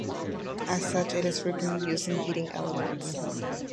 As such, it is frequently used in heating elements.